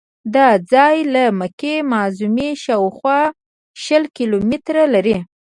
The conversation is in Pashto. دا ځای له مکې معظمې شاوخوا شل کیلومتره لرې دی.